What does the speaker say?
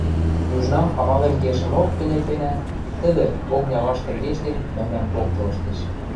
Южнам амален кешӹмок кӹньӹлтенӓ, тӹдӹ, окня вашт тӹргештен, мӓмнӓм поктылыштеш.